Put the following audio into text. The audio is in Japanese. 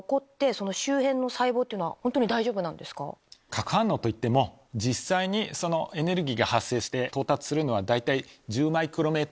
核反応といっても実際にエネルギーが発生して到達するのは。